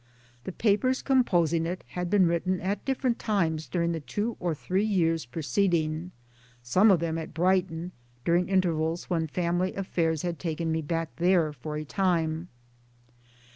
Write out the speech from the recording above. The papers composing it had been written at different times during the two or three years preceding some of them at Brighton, during 1 intervals when family, affairs had taken me back there for a time.